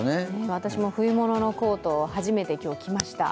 私も冬物のコートを初めて着ました。